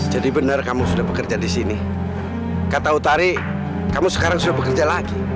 jadi benar kamu sudah bekerja di sini kata utari kamu sekarang sudah bekerja lagi